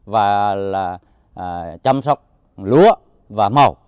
và là chăm sóc lúa và màu